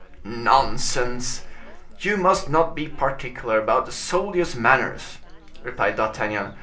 "Nonsense! You must not be particular about a soldier's manners!" replied D'Artagnan.